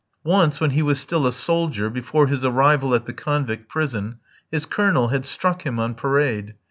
Once when he was still a soldier before his arrival at the convict prison his Colonel had struck him on parade.